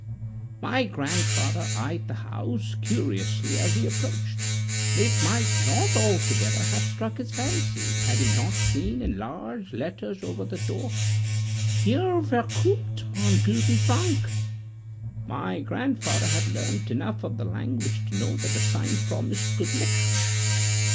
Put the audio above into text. My grandfather eyed the house curiously as he approached. It might Not altogether have struck his fancy, had he not seen in large letters over the door, HEER VERKOOPT MAN GOEDEN DRANK.My grandfather had learnt enough of the language to know that the sign promised good liquor.